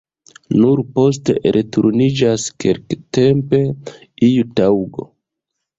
Nur poste elturniĝas kelktempe iu taŭgo.